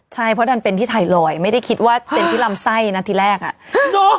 ใช่เพราะดันเป็นที่ไทรอยด์ไม่ได้คิดว่าเป็นที่ลำไส้นะที่แรกอ่ะเนอะ